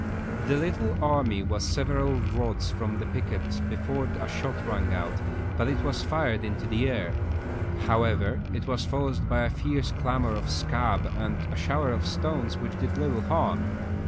The little army was several rods from the pickets before a shot rang out, but that was fired into the air. However, it was followed by a fierce clamor of "Scab" and a shower of stones, which did little harm.